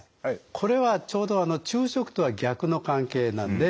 これはちょうど昼食とは逆の関係なんで。